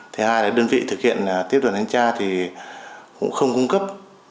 thứ hai là đơn vị thực hiện tiếp đoàn thanh tra thì cũng không cung cấp